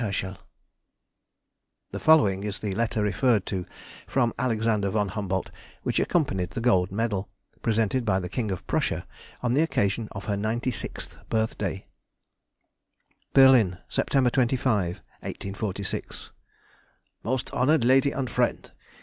HERSCHEL. The following is the letter referred to from Alexander von Humboldt which accompanied the Gold Medal presented by the King of Prussia on the occasion of her ninety sixth birthday:— [Sidenote: 1846 1847. Letter—Baron Humboldt.] BERLIN, Sept. 25, 1846. MOST HONOURED LADY AND FRIEND!